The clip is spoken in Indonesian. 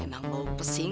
enak banget pesing